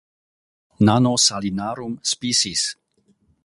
Nanosalinarum sp.